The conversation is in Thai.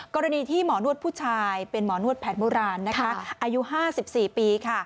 กรณีที่หมอนวดผู้ชายเป็นหมอนวดแผนโบราณอายุ๕๔ปี